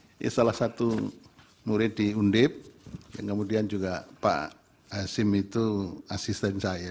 saya salah satu murid di undip kemudian juga pak hasim itu asisten saya